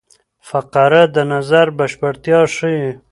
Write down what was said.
فقره د نظر بشپړتیا ښيي.